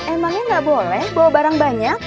emangnya nggak boleh bawa barang banyak